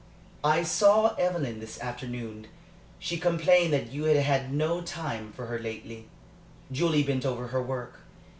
"I saw Evelyn this afternoon. She complained that you had had no time for her lately." Julie bent over her work.